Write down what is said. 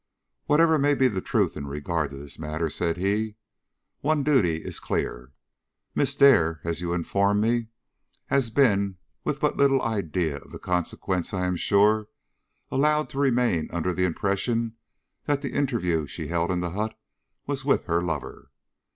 "Whatever may be the truth in regard to this matter," said he, "one duty is clear. Miss Dare, as you inform me, has been with but little idea of the consequences, I am sure allowed to remain under the impression that the interview which she held in the hut was with her lover.